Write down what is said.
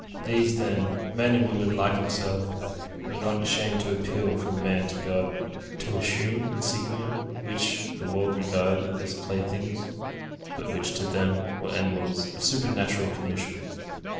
These, then, men and women like himself, were not ashamed to appeal from man to God, to assume insignia which the world regarded as playthings, but which to them were emblems of supernatural commission.